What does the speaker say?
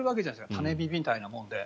種火みたいなもので。